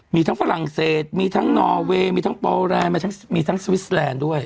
มีทั้งฝรั่งเศสมีทั้งนอเวย์มีทั้งปอแลนด์มีทั้งสวิสแลนด์ด้วย